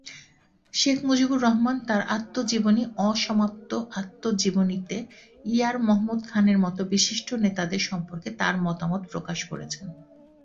শেখ মুজিবুর রহমান তার আত্মজীবনী অসমাপ্ত আত্মজীবনীতে ইয়ার মোহাম্মদ খানের মত বিশিষ্ট নেতাদের সম্পর্কে তার মতামত প্রকাশ করেছেন।